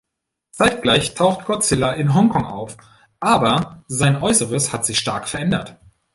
Zeitgleich taucht Godzilla in Hongkong auf, aber sein Äußeres hat sich stark verändert.